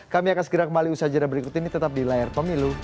kami akan segera kembali usaha jadwal berikut ini tetap di layar pemilu